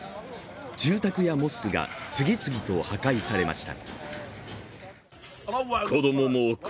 住宅やモスクが次々と破壊されました。